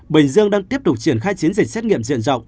bình dương đang tiếp tục triển khai chiến dịch xét nghiệm diện rộng